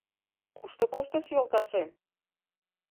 Кушто коштеш йолташем?